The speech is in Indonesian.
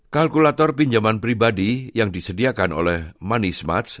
kalkulator pinjaman pribadi yang disediakan oleh moneysmarts